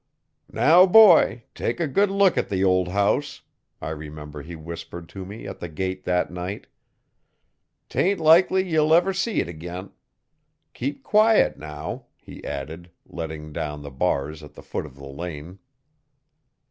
'Now, boy, take a good look at the old house,' I remember he whispered to me at the gate that night ''Tain't likely ye'll ever see it ag'in. Keep quiet now,' he added, letting down the bars at the foot of the lane.